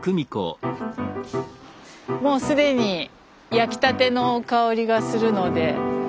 もう既に焼きたての香りがするので。